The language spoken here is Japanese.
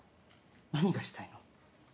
何がしたいの？